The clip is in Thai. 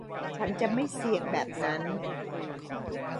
ฉันจะไม่เสี่ยงแบบนั้น